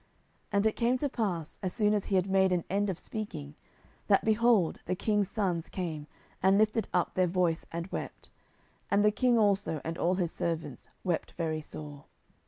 10:013:036 And it came to pass, as soon as he had made an end of speaking, that, behold, the king's sons came, and lifted up their voice and wept: and the king also and all his servants wept very sore.